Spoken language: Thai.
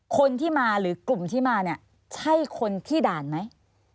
คนที่มาหรือกลุ่มที่มาเนี่ยใช่คนที่ด่านไหม